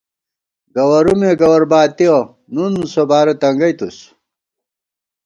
گوَرُومے گوَر باتِیَہ ، نُن سوبارہ تنگئی تُس